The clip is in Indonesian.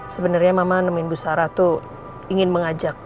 sebenernya mama nemuin bu sara tuh ingin mengajak